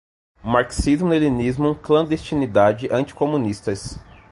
Marxismo-leninismo, clandestinidade, anti-comunistas